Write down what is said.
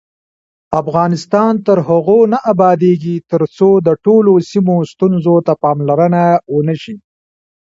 افغانستان تر هغو نه ابادیږي، ترڅو د ټولو سیمو ستونزو ته پاملرنه ونشي.